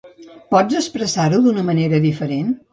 Pots expressar-ho d'una manera diferent?